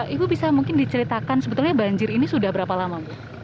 ibu bisa mungkin diceritakan sebetulnya banjir ini sudah berapa lama